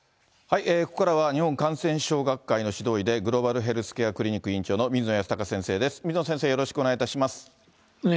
ここからは日本感染症学会の指導医で、グローバルヘルスケアクリニック院長の水野泰孝先生です、水野先お願いします。